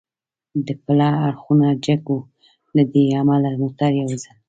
د پله اړخونه جګ و، له دې امله موټر یو ځل.